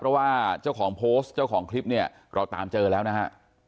เพราะว่าเจ้าของโพสต์เจ้าของคลิปเนี่ยเราตามเจอแล้วนะฮะ